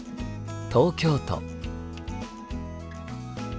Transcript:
東京都。